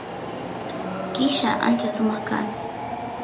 killa ancha sumaq kan